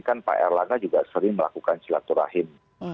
kan pak erlangga juga sering melakukan silaturahim